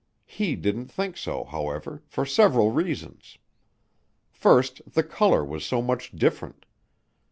He didn't think so, however, for several reasons. First the color was so much different.